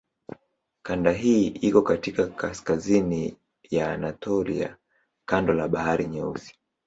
Kanda hii iko katika kaskazini ya Anatolia kando la Bahari Nyeusi.